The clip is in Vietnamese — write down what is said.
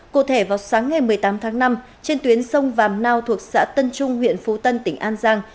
cụ thể vào sáng ngày một mươi tám tháng năm trên tuyến sông vàm nao thuộc xã tân trung huyện phú tân tỉnh an giang